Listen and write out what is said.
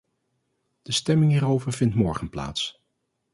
De stemming hierover vindt morgen plaats.